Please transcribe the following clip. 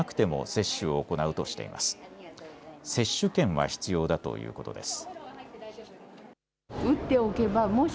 接種券は必要だということです。